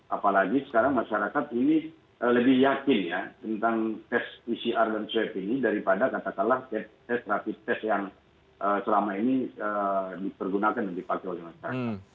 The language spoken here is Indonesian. apalagi sekarang masyarakat ini lebih yakin ya tentang tes pcr dan swab ini daripada katakanlah tes rapid test yang selama ini dipergunakan dan dipakai oleh masyarakat